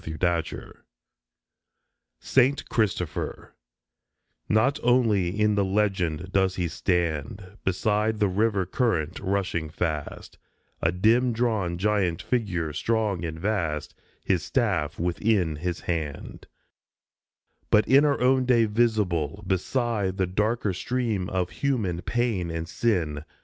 SAINT CHRISTOPHER 97 SAINT CHRISTOPHER NOT only in the legend does he stand Beside the river current rushing fast, A dim drawn giant figure, strong and vast, His staff within his hand ; But in our own day visible, beside The darker stream of human pain and sin